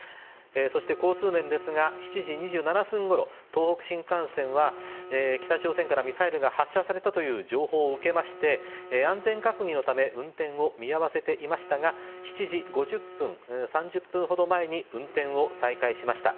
そして、交通面ですが７時２７分ごろ東北新幹線は、北朝鮮からミサイルが発射されたという情報を受けまして安全確認のため運転を見合わせていましたが７時５０分３０分ほど前に運転を再開しました。